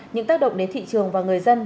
những tác động đến thị trường và người dân